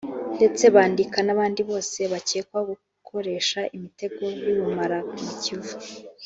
ndetse bandika n’abandi bose bacyekwaho gukoresha imitego y’ubumara mu Kivu